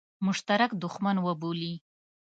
مشترک دښمن وبولي.